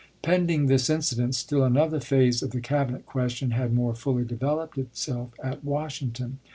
Pending this incident, still another phase of the Cabinet question had more fully developed itself at Washington.